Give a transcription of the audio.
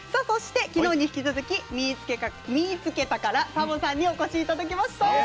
そして、きのうに引き続き「みいつけた！」からサボさんにお越しいただきました。